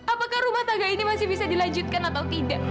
apakah rumah tangga ini masih bisa dilanjutkan atau tidak